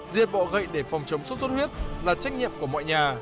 diệt bọ gậy để phòng chống sốt xuất huyết là trách nhiệm của mọi nhà